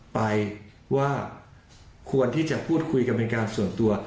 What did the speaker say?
ไปว่าควรที่จะพูดคุยกันเป็นการส่วนตัว